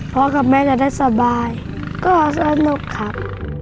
กับแม่จะได้สบายก็สนุกครับ